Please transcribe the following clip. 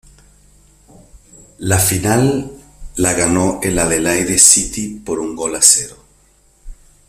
La final la ganó el Adelaide City, por un gol a cero.